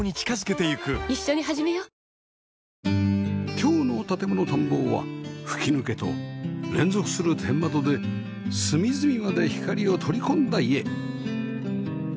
今日の『建もの探訪』は吹き抜けと連続する天窓で隅々まで光を取り込んだ家